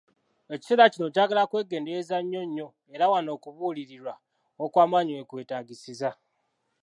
Ekiseera kino kyagala kwegendereza nnyo, nnyo, era wano okubuulirirwa okw'amaanyi wekwetaagisiza.